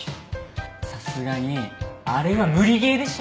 さすがにあれは無理ゲーでしょ。